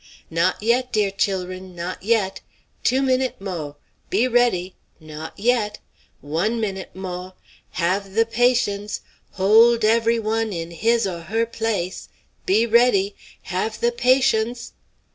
"Not yet, dear chil'run. Not yet. Two minute mo'. Be ready. Not yet! One minute mo'! Have the patience. Hold every one in his aw her place. Be ready! Have the patience."